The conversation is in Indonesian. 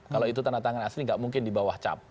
kalau itu tanda tangan asli nggak mungkin di bawah cap